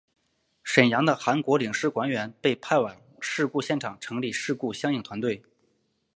沈阳的韩国领事官员被派往事故现场成立事故相应团队。